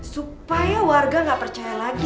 supaya warga nggak percaya lagi